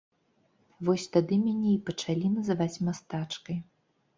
Вось тады мяне і пачалі называць мастачкай.